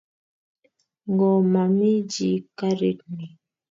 Ngo ma mi chi karit ni .